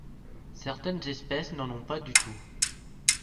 Certaines espèces n'en ont pas du tout.